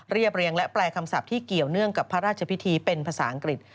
เรียบเรียงและแปลคำศัพท์ที่เกี่ยวเนื่องกับพระราชพิธีเป็นภาษาอังกฤษ